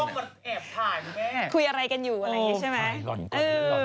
มาแอบถ่ายคุณแม่คุยอะไรกันอยู่อะไรอย่างนี้ใช่ไหม